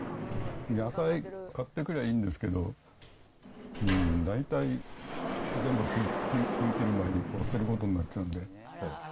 野菜買ってくりゃいいんですけど、大体全部食いきる前に捨てることになっちゃうんで。